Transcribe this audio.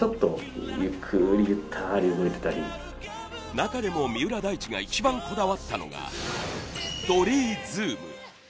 中でも三浦大知が一番こだわったのがドリーズーム。